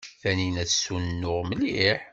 Taninna tessunuɣ mliḥ.